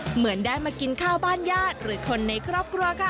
เหมือนได้มากินข้าวบ้านญาติหรือคนในครอบครัวค่ะ